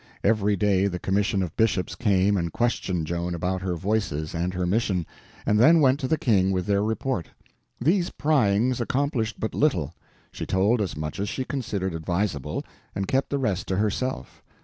Every day the commission of bishops came and questioned Joan about her Voices and her mission, and then went to the King with their report. These pryings accomplished but little. She told as much as she considered advisable, and kept the rest to herself.